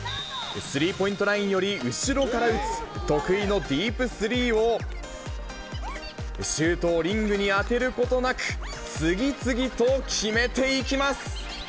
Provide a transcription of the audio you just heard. スリーポイントラインより後ろから打つ、得意のディープスリーを、シュートをリングに当てることなく、次々と決めていきます。